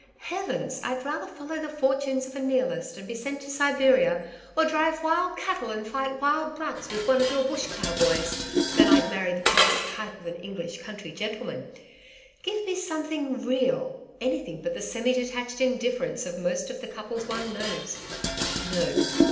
Heavens! I'd rather follow the fortunes of a Nihilist and be sent to Siberia, or drive wild cattle and fight wild blacks with one of your Bush cowboys, than I'd marry the perfect type of an English country gentleman! Give me something REAL anything but the semi detached indifference of most of the couples one knows. No.